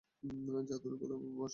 যা, দূরে কোথাও বস, ফোস্কা কোথাকার।